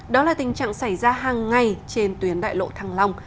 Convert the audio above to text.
đó là tình trạng xảy ra hàng ngày trên tuyến đại lộ thăng long